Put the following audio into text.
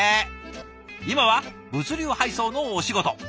今は物流配送のお仕事。